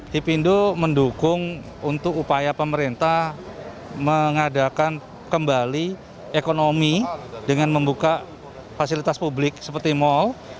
hipindo mendukung untuk upaya pemerintah mengadakan kembali ekonomi dengan membuka fasilitas publik seperti mal